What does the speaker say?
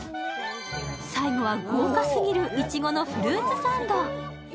最後は、豪華すぎるいちごのフルーツサンド。